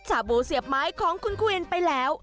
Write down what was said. ชาบูเสียบไม้ของคุณเกวียนไปแล้ว